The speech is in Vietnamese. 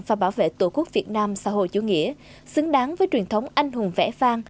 và bảo vệ tổ quốc việt nam xã hội chủ nghĩa xứng đáng với truyền thống anh hùng vẽ vang